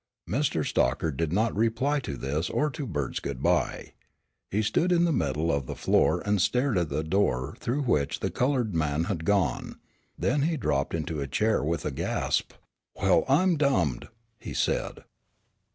Mr. Stockard did not reply to this or to Bert's good bye. He stood in the middle of the floor and stared at the door through which the colored man had gone, then he dropped into a chair with a gasp. "Well, I'm dumbed!" he said.